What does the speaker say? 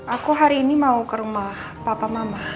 aku hari ini mau ke rumah papa mama